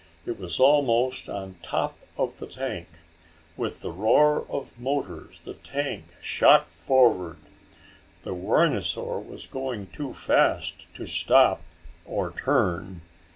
It was almost on top of the tank. With a roar of the motors the tank shot forward. The rhinosaur was going too fast to stop or turn.